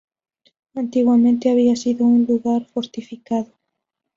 Antiguamente había sido un lugar fortificado.